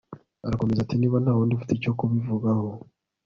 arakomeza ati niba nta wundi ufite icyo kubivugaho